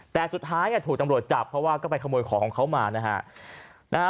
แต่สุดท้ายถูกตำรวจจับเพราะว่าก็ไปขโมยของของเขามานะฮะ